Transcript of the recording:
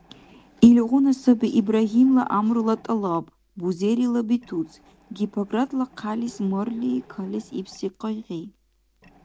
Илгъуна саби Ибрагьимла гӀямрула тӀалаб, бузерила бетуц, Гиппократла хъялис марли калес ибси къайгъи.